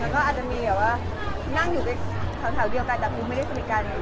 แล้วก็อาจจะมีแบบว่านั่งอยู่ไปแถวเดียวกันแต่คือไม่ได้สนิทกัน